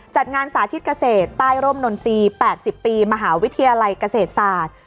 จัดงานสาธิตเกษตรใต้ร่มนนทรีย์๘๐ปีมหาวิทยาลัยเกษตรศาสตร์